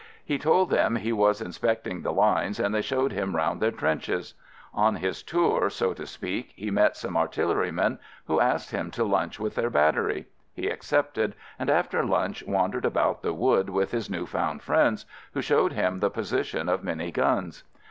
He told them he was in specting the lines and they showed him round their trenches. On his tour, so to 132 'AMERICAN AMBULANCE speak, he met some artillerymen, who asked him to lunch with their battery. He accepted, and after lunch wandered about the wood with his new found friends, who showed him the position of many guns.